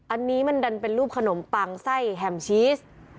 อันนี้มันดันเป็นรูปขนมปังไส้แฮมชีส